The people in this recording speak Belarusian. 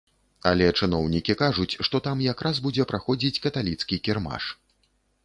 Але чыноўнікі кажуць, што там якраз будзе праходзіць каталіцкі кірмаш.